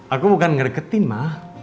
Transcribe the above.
aku bukan ngeriketin ma